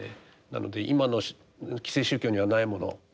なので今の既成宗教にはないもの